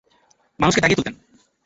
মানুষকে জাগিয়ে তুলতেন।